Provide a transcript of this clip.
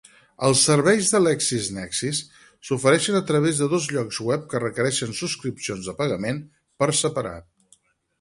Els serveis de LexisNexis s'ofereixen a través de dos llocs web que requereixen subscripcions de pagament per separat.